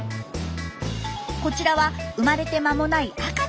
こちらは生まれて間もない赤ちゃん。